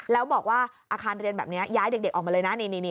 แล้วบอกว่าอาคารเรียนแบบนี้ย้ายเด็กออกมาเลยนะ